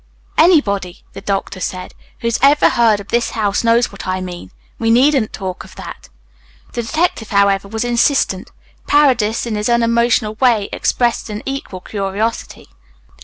"Anybody," the doctor said, "who's ever heard of this house knows what I mean. We needn't talk of that." The detective, however, was insistent. Paredes in his unemotional way expressed an equal curiosity.